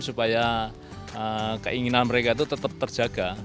supaya keinginan mereka itu tetap terjaga